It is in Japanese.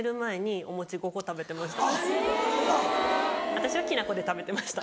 ・私はきな粉で食べてました。